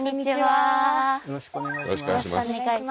よろしくお願いします。